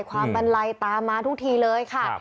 บันไลตามมาทุกทีเลยค่ะ